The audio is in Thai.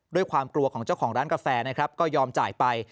ด้วยความกลัวของเจ้าของร้านกาแฟนะครับก็ยอมจ่ายไป